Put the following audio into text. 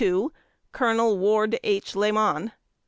Colonel Ward H. Lamon.